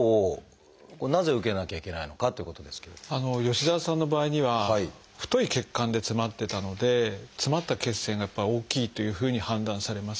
吉澤さんの場合には太い血管で詰まってたので詰まった血栓が大きいというふうに判断されます。